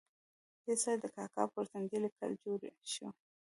دې سره د کاکا پر تندي لیکې جوړې شوې.